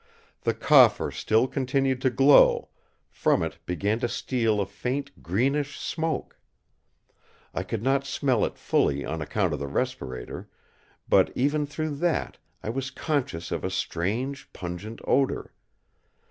The coffer still continued to glow; from it began to steal a faint greenish smoke. I could not smell it fully on account of the respirator; but, even through that, I was conscious of a strange pungent odour.